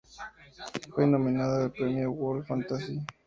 Fue nominada al Premio World Fantasy.